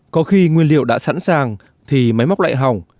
có khi nguyên liệu đã sẵn sàng thì máy móc lại hỏng